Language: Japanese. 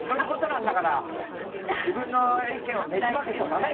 自分の意見をねじ曲げちゃダメ。